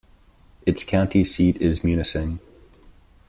Its county seat is Munising.